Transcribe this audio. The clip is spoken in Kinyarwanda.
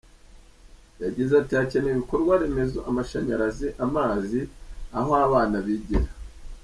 Yagize ati “Hakenewe ibikorwaremezo, amashanyarazi, amazi, aho abana bigira.